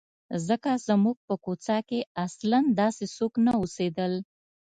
ځکه زموږ په کوڅه کې اصلاً داسې څوک نه اوسېدل.